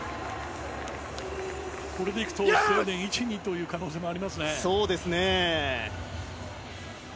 これでいくとスウェーデン１、２という可能性がありますね。